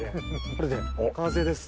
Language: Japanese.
これで完成です！